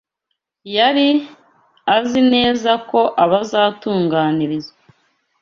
Yari azi neza ko abazatunganirizwa